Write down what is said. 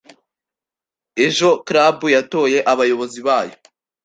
Ejo club yatoye abayobozi bayo.